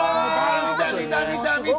見た見た見た見た！